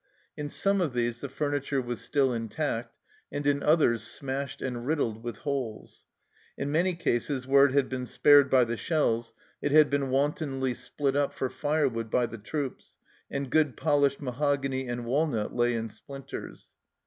In some of these the furniture was still intact, and in others smashed and riddled with holes. In many cases, where it had been spared by the shells, it had been wantonly split up for firewood by the troops, and good polished mahogany and walnut lay in splinters.